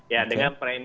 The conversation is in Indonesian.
ya dengan premium